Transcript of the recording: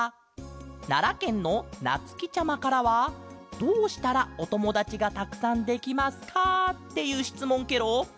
ならけんのなつきちゃまからは「どうしたらおともだちがたくさんできますか？」っていうしつもんケロ。